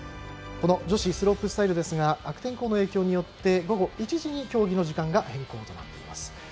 この女子スロープスタイルですが悪天候の影響で午後１時に競技の時間が変更となっています。